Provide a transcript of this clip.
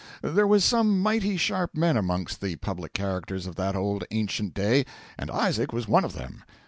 There was some mighty sharp men amongst the public characters of that old ancient day, and Isaac was one of them.